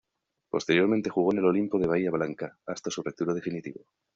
Posteriormente jugó en Olimpo de Bahía Blanca, hasta su retiro definitivo.